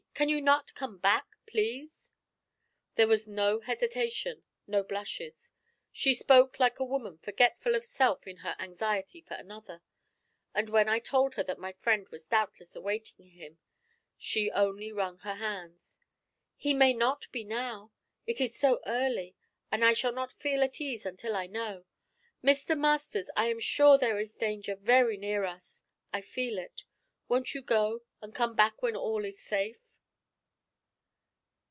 Can you not come back please? There was no hesitation, no blushes; she spoke like a woman forgetful of self in her anxiety for another; and when I told her that my friend was doubtless awaiting him, she only wrung her hands. 'He may not be now. It is so early, and I shall not feel at ease until I know. Mr. Masters, I am sure there is danger very near us; I feel it. Won't you go and come back when all is safe?'